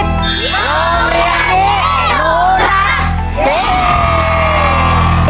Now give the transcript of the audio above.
โรงเรียนที่หมูรักเย้